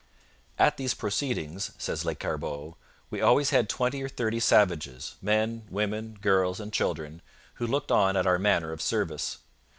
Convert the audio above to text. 'At these proceedings,' says Lescarbot, 'we always had twenty or thirty savages men, women, girls, and children who looked on at our manner of service.